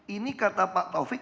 ini kata pak taufik